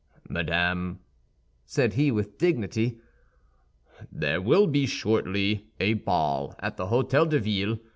"Madame," said he, with dignity, "there will shortly be a ball at the Hôtel de Ville.